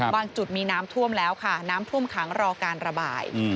จุดมีน้ำท่วมแล้วค่ะน้ำท่วมขังรอการระบาย